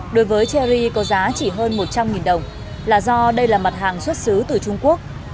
đối với cherry có giá chỉ hơn một trăm linh đồng là do đây là mặt hàng xuất xứ từ trung quốc